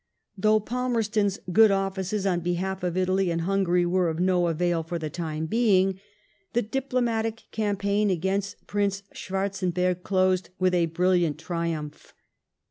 Though Palmerston's good offices on behalf of Italy and Hungary were of no avail for the time beings the diplomatic campaign against Prince Schwarzenberg dosed with a brilliant triumph.